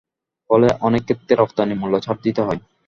ফলে অনেক ক্ষেত্রে রপ্তানি মূল্যে ছাড় দিতে হয়।